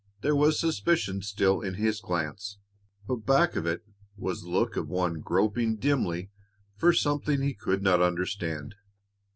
There was suspicion still in his glance, but back of it was the look of one groping dimly for something he could not understand.